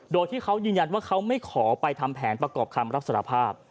โดยที่เขายืนยันว่าเขาไม่ขอไปทำแผนประกอบคำรับสารภาพ